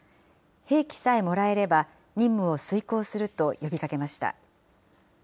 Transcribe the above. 兵器さえもらえれば、任務を遂行すると呼びかけました。